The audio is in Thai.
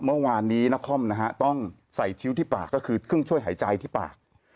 เมื่อวานนี้นครนะฮะต้องใส่คิ้วที่ปากก็คือเครื่องช่วยหายใจที่ปาก